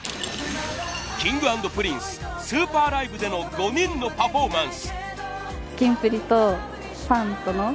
Ｋｉｎｇ＆Ｐｒｉｎｃｅ『ＳＵＰＥＲＬＩＶＥ』での５人のパフォーマンス。